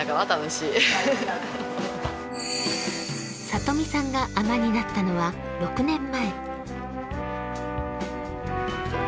里見さんが海女になったのは６年前。